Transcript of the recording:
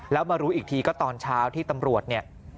แล้วมารู้อีกทีก็ตอนเช้าที่ตำรวจเนี่ย